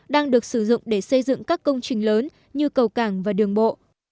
đang được sử dụng để xây dựng các công trình lớn như cầu cảng và đường bộ